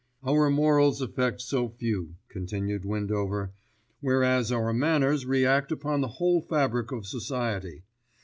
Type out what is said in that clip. "Our morals affect so few," continued Windover, "whereas our manners react upon the whole fabric of society.